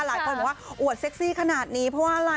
หลายคนบอกว่าอวดเซ็กซี่ขนาดนี้เพราะว่าอะไร